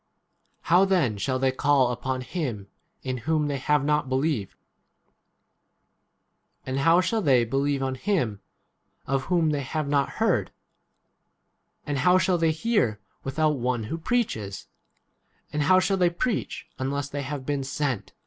How then shall they call upon him in whom they have not believed ? and how shall they believe on him of whom they have not heard? and how shall they hear without one who 15 preaches ? and how shall they preach unless they have been sent